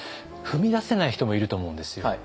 踏み出せない人もいると思うんですよ。